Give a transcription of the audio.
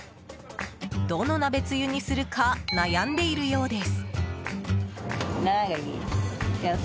どの鍋つゆにするか悩んでいるようです。